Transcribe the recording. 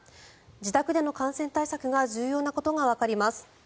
自宅での感染対策が重要なことがわかります。